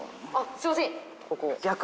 すいません。